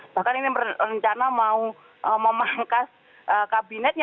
bahkan ini berencana mau memangkas kabinetnya